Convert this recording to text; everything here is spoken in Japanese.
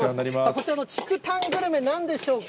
こちらの竹炭グルメ、なんでしょうか。